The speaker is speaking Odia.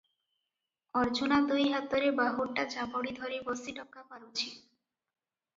ଅର୍ଜୁନା ଦୁଇ ହାତରେ ବାହୁଟା ଯାବଡ଼ି ଧରି ବସି ଡକା ପାରୁଛି ।